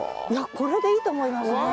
いやこれでいいと思いますね。